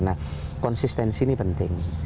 nah konsistensi ini penting